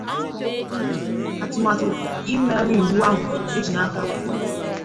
atụmatụ imegharịiwu ahụ e ji n'aka ugbua